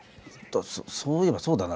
そういえばそうだな。